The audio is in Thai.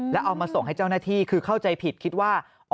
แล้วเอามาส่งให้เจ้าหน้าที่คือเข้าใจผิดคิดว่า